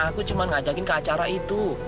aku cuma ngajakin ke acara itu